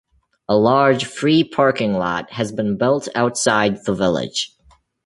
A large free parking lot has been built outside the village.